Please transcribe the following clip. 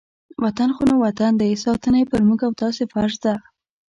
وطن خو نو وطن دی، ساتنه یې په موږ او تاسې فرض ده.